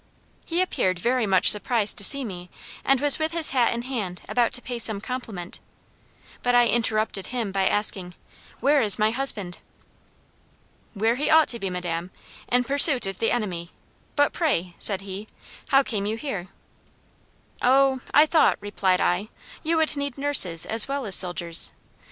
He appeared very much surprised to see me; and was with his hat in hand about to pay some compliment; but I interrupted him by asking 'Where is my husband?' "'Where he ought to be, madam; in pursuit of the enemy. But pray,' said he, 'how came you here?' "'O, I thought,' replied I, 'you would need nurses as well as soldiers.